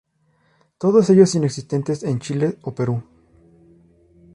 Todos ellos inexistentes en Chile o Perú.